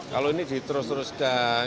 kalau ini diterus teruskan